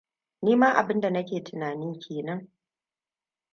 Ni ma abinda nake tunani ke nan.